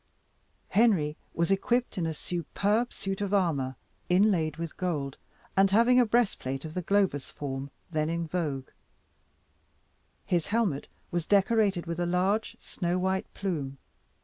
Henry was equipped in a superb suit of armour, inlaid with gold, and having a breastplate of the globose form, then in vogue; his helmet was decorated with a large snow white plume.